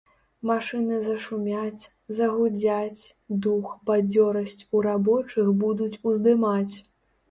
Машыны зашумяць, загудзяць, дух, бадзёрасць у рабочых будуць уздымаць.